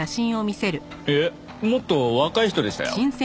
いえもっと若い人でしたよ。